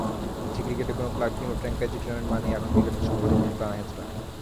দেশের ক্রিকেটে কোনো ক্লাব কিংবা ফ্র্যাঞ্চাইজি টুর্নামেন্ট মানেই এখন ক্রিকেটারদের সম্মানী নিয়ে টানাহেঁচড়া।